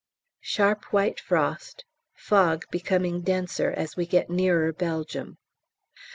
Sharp white frost, fog becoming denser as we get nearer Belgium.